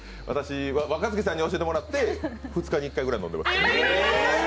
若槻さんに教えてもらって２日に１回ぐらい飲んでます。